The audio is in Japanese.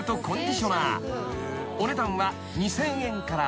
［お値段は２，０００円から］